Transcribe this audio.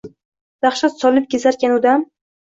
Dahshat solib kezarkan u dam